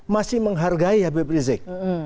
masih menghargai habib rizik